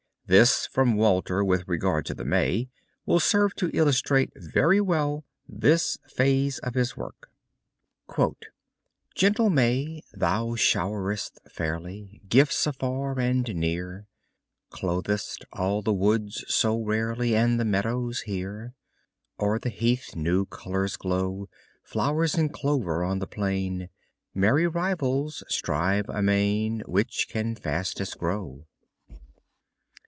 This from Walter with regard to the May will serve to illustrate very well this phase of his work. Gentle May, thou showerest fairly Gifts afar and near; Clothest all the woods so rarely, And the meadows here; O'er the heath new colors glow; Flowers and clover on the plain. Merry rivals, strive amain Which can fastest grow.